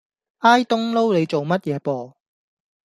挨冬撈你做乜嘢啵